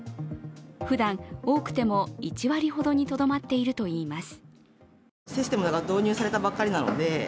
ふだん、多くても１割ほどにとどまっているといいます。